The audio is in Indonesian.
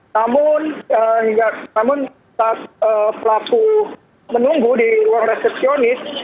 namun saat pelaku menunggu di ruang resepsionis